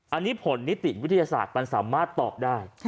อันนี้ผลนิติวิทยาศาสตร์มันสามารถตอบได้